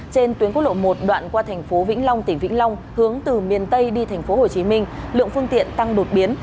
trên tuyến quốc lộ một đoạn qua tp vĩnh long tỉnh vĩnh long hướng từ miền tây đi tp hồ chí minh lượng phương tiện tăng đột biến